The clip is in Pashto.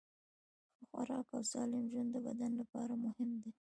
ښه خوراک او سالم ژوند د بدن لپاره مهم دي.